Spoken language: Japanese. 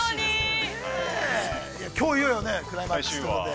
きょう、いよいよクライマックスということで。